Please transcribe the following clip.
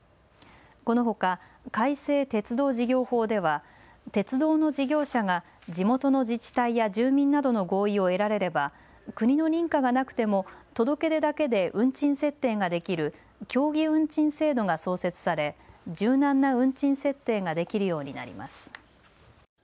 このほか改正鉄道事業法では鉄道の事業者が地元の自治体や住民などの合意を得られれば国の認可がなくても届け出だけで運賃設定ができる協議運賃制度が創設され、柔軟な運賃設定ができるようになります。